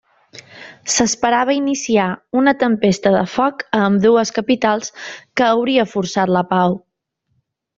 S'esperava iniciar una tempesta de foc a ambdues capitals que hauria forçat la pau.